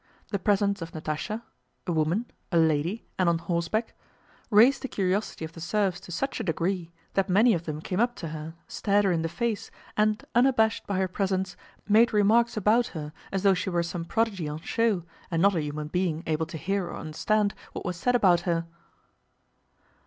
The presence of Natásha—a woman, a lady, and on horseback—raised the curiosity of the serfs to such a degree that many of them came up to her, stared her in the face, and unabashed by her presence made remarks about her as though she were some prodigy on show and not a human being able to hear or understand what was said about her.